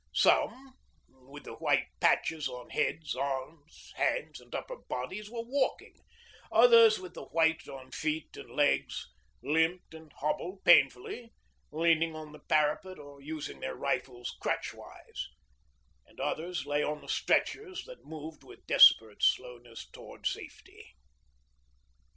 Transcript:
Some, with the white patches on heads, arms, hands, and upper bodies, were walking; others, with the white on feet and legs, limped and hobbled painfully, leaning on the parapet or using their rifles crutch wise; and others lay on the stretchers that moved with desperate slowness towards safety.